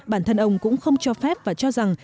bản thân ông cũng không cho phép và cho rằng